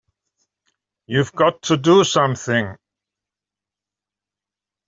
You've got to do something!